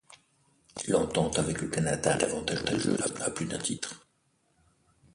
L'entente avec le Canada est avantageuse à plus d'un titre.